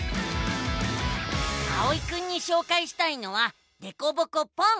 あおいくんにしょうかいしたいのは「でこぼこポン！」。